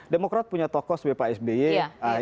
demokrat punya tokoh sebagai pak sby